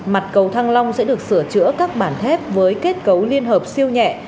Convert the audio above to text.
mặt cầu thăng long sẽ được sửa chữa các bản thép với kết cấu liên hợp siêu nhẹ